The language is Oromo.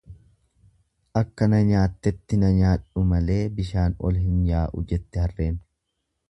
Akka na nyaattetti na nyaadhu malee bishaan ol hin yaa'uu jette harreen.